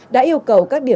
đã yêu cầu các điểm